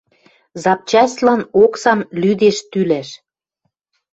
Запчастьлан оксам лӱдеш тӱлӓш.